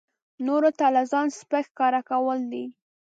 نورو ته لا ځان سپک ښکاره کول دي.